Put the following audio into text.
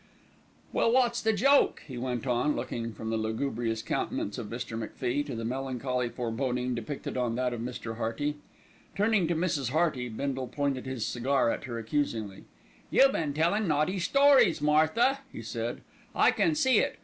"Well, wot's the joke?" he went on, looking from the lugubrious countenance of Mr. MacFie to the melancholy foreboding depicted on that of Mr. Hearty. Turning to Mrs. Hearty, Bindle pointed his cigar at her accusingly. "You been tellin' naughty stories, Martha," he said, "I can see it.